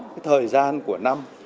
cái thời gian của năm